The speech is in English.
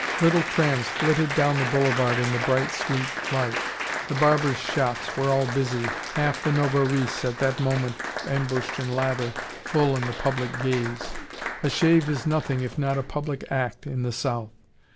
Little trams flitted down the boulevard in the bright, sweet light. The barbers' shops were all busy, half the Novarese at that moment ambushed in lather, full in the public gaze. A shave is nothing if not a public act, in the south.